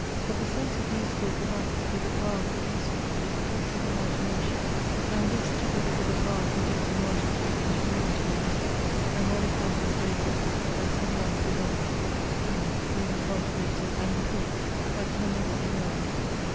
But the sense of musical delight, with the power of producing it, is a gift of imagination; and this together with the power of reducing multitude into unity of effect, and modifying a series of thoughts by some one predominant thought or feeling, may be cultivated and improved, but can never be learned.